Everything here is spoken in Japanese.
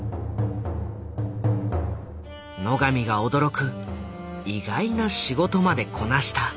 野上が驚く意外な仕事までこなした。